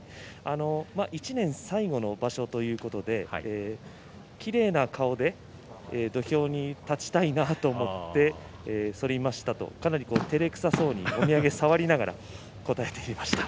１年最後の場所ということできれいな顔で土俵に立ちたいなと思ってそりましたとかなりてれくさそうにもみあげを触りながら答えていました。